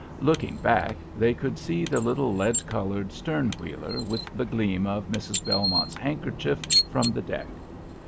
Looking back, they could see the little lead coloured stern wheeler, with the gleam of Mrs. Belmont's handkerchief from the deck.